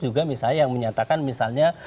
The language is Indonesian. juga misalnya yang menyatakan misalnya